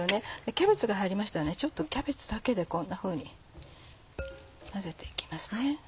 キャベツが入りましたらキャベツだけでこんなふうに混ぜて行きます。